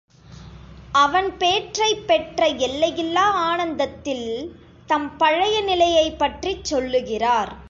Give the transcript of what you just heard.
அவன் பேற்றைப் பெற்ற எல்லையில்லா ஆனந்தத்தில் தம் பழைய நிலையைப் பற்றிச் சொல்லுகிறார்.